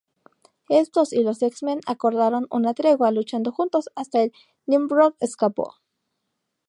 Estos, y los X-Men, acordaron una tregua, luchando juntos hasta que el Nimrod escapó.